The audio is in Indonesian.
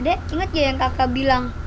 dek ingat ya yang kakak bilang